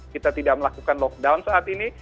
kita tidak melakukan lockdown saat ini